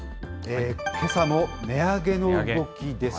けさも値上げの動きです。